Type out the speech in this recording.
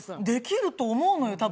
できると思うのよ。